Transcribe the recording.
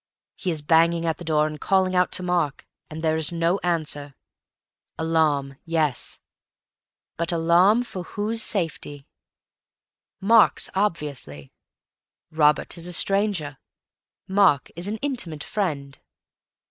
He is banging at the door and calling out to Mark, and there is no answer. Alarm—yes. But alarm for whose safety? Mark's, obviously. Robert is a stranger; Mark is an intimate friend.